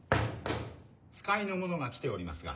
・使いの者が来ておりますが。